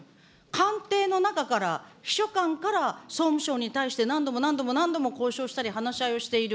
官邸の中から秘書官から、総務省に対して何度も何度も何度も交渉したり話し合いをしたりしている。